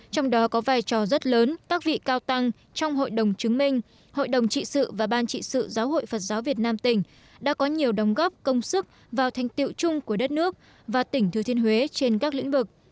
trong đó có vai trò rất lớn các vị cao tăng trong hội đồng chứng minh hội đồng trị sự và ban trị sự giáo hội phật giáo việt nam tỉnh đã có nhiều đồng góp công sức vào thành tiệu chung của đất nước và tỉnh thừa thiên huế trên các lĩnh vực